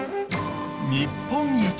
日本一！